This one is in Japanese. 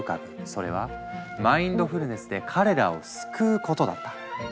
それは「マインドフルネスで彼らを救う」ことだった。